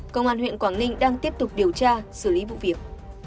công an huyện quảng ninh đang tiếp tục điều tra xử lý vụ việc